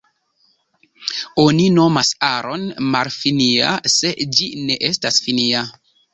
Oni nomas aron malfinia, se ĝi ne estas finia.